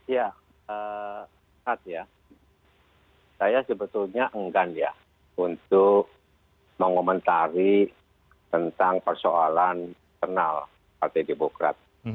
ya saya sebetulnya enggan ya untuk mengomentari tentang persoalan internal partai demokrat